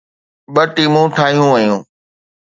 ٻه ٽيمون ٺاهيون ويون